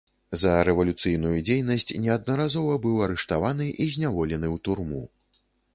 За рэвалюцыйную дзейнасць неаднаразова быў арыштаваны і зняволены ў турму.